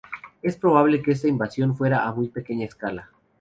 Es probable que esta invasión fuera a muy pequeña escala.